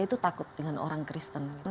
itu takut dengan orang kristen